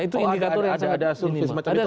oh ada ada ada surpei surpei itu ada ya